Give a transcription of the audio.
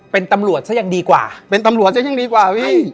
เป็นตำรวจซะยังดีกว่าเป็นตำรวจซะยังดีกว่าพี่